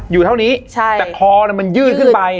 อยู่เท่านี้แต่คอมันยืดขึ้นไป